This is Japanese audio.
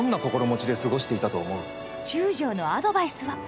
中将のアドバイスは。